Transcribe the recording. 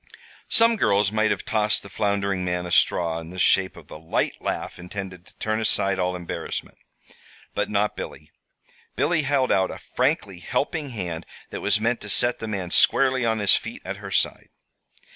Some girls might have tossed the floundering man a straw in the shape of a light laugh intended to turn aside all embarrassment but not Billy. Billy held out a frankly helping hand that was meant to set the man squarely on his feet at her side.